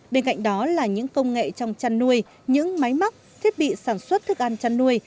bên cạnh đó là những công nghệ trong chăn nuôi những máy móc thiết bị sản xuất thức ăn chăn nuôi